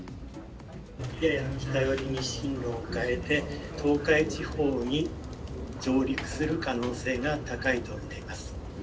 進路を変えて東海地方に上陸する可能性が高いと見られます。